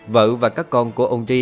vợ và các con của ông ri